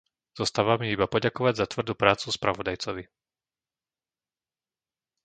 Zostáva mi iba poďakovať za tvrdú prácu spravodajcovi.